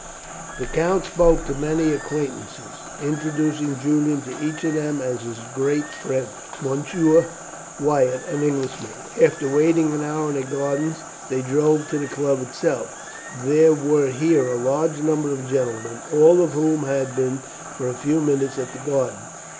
The count spoke to many acquaintances, introducing Julian to each of them as his great friend, Monsieur Wyatt, an Englishman. After waiting an hour in the gardens they drove to the club itself. There were here a large number of gentlemen, all of whom had been for a few minutes at the garden.